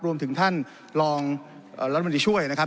รวมถึงท่านรองรัฐมนตรีช่วยนะครับ